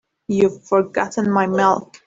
You've forgotten my milk.